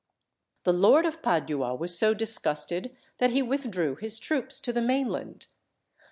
The Lord of Padua was so disgusted that he withdrew his troops to the mainland.